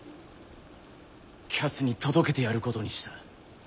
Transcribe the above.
彼奴に届けてやることにした。